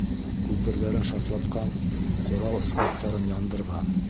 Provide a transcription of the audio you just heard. Күперҙәрен шартлатҡан, ҡорал складтарын яндырған...